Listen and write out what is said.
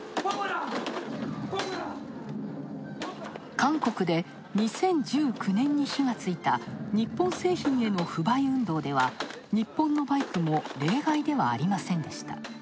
韓国で２０１９年に火がついた、日本製品への不買運動では、日本のバイクも例外ではありませんでした。